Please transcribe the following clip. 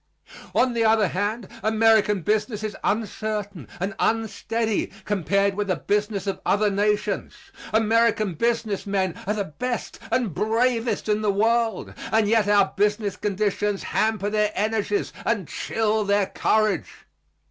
On the other hand, American business is uncertain and unsteady compared with the business of other nations. American business men are the best and bravest in the world, and yet our business conditions hamper their energies and chill their courage.